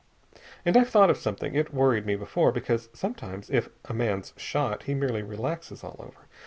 "And I've thought of something. It worried me, before, because sometimes if a man's shot he merely relaxes all over.